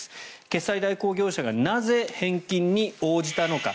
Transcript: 決済代行業者がなぜ返金に応じたのか。